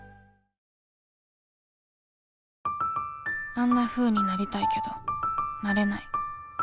あんなふうになりたいけどなれない